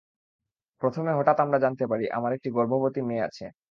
প্রথমে হঠাৎ আমার জানতে পারি আমার একটি গর্ভবতী মেয়ে আছে।